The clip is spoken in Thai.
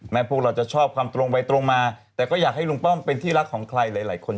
พวกเราจะชอบความตรงไปตรงมาแต่ก็อยากให้ลุงป้อมเป็นที่รักของใครหลายคน